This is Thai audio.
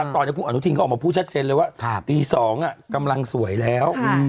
ตอนนี้อันทุกทีก็ออกมาพูดชัดเจนเลยว่าตี๒กำลังสวยแล้ว